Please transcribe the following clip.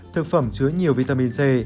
thực phẩm chứa nhiều vitamin c